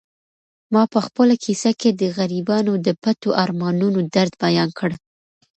ما په خپله کیسه کې د غریبانو د پټو ارمانونو درد بیان کړ.